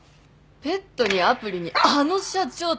ペットにアプリにあの社長って。